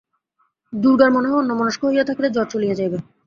দুর্গার মনে হয় অন্যমনস্ক হইয়া থাকিলে জ্বর চলিয়া যাইবে।